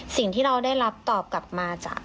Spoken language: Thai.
สิ่งที่เราได้รับตอบกลับมาจาก